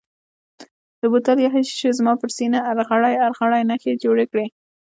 د بوتل یخې شیشې زما پر سینه ارغړۍ ارغړۍ نښې جوړې کړې.